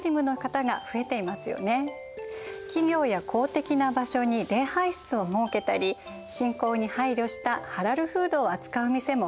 企業や公的な場所に礼拝室を設けたり信仰に配慮したハラルフードを扱う店も増えてきました。